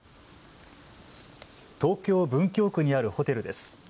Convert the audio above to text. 東京文京区にあるホテルです。